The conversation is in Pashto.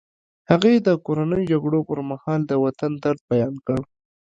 هغې د کورنیو جګړو پر مهال د وطن درد بیان کړ